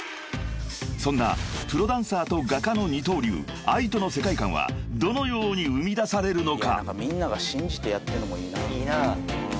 ［そんなプロダンサーと画家の二刀流ＡＩＴＯの世界観はどのように生み出されるのか？］